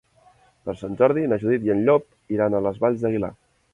Per Sant Jordi na Judit i en Llop iran a les Valls d'Aguilar.